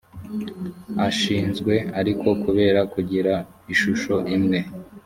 ashinzwe ariko kubera kugira ishusho imwe